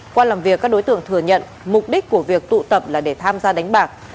qua làm việc các đối tượng thừa nhận mục đích của việc tụ tập là để tham gia đánh bạc